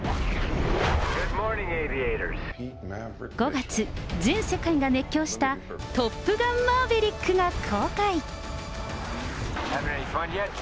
５月、全世界が熱狂した、トップガンマーヴェリックが公開。